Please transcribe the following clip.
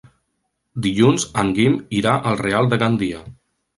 Dilluns en Guim irà al Real de Gandia.